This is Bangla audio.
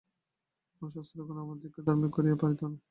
কোন শাস্ত্রগ্রন্থই আমাদিগকে ধার্মিক করিয়া দিতে পারে না।